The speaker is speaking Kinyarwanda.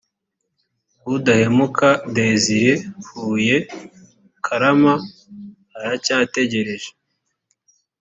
udahemuka desire huye karama aracyategereje